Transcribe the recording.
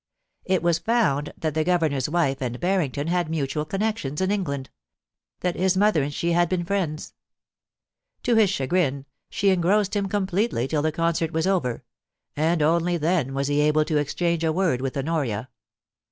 It was found that the Governor's wife and Barrington had mutual connections in England — that his mother and she had been friends. To his chagrin she engrossed him completely till the concert was over, and only then was he able to exchange a word with Honoria.